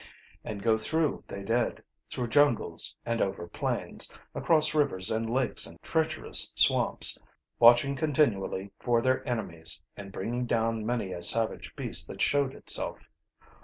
And go through they did, through jungles and over plains, across rivers and lakes and treacherous swamps, watching continually for their enemies, and bringing down many a savage beast that showed itself.